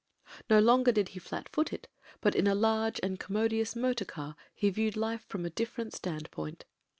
No longer did he flat foot it, but in a large and commodious motor car he viewed life from a different standpoint.